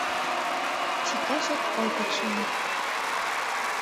Тӱкашат огыт шоно.